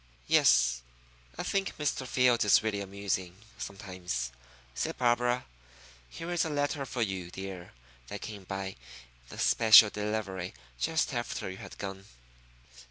"Yes, I think Mr. Fields is really amusing sometimes," said Barbara. "Here is a letter for you, dear, that came by special delivery just after you had gone."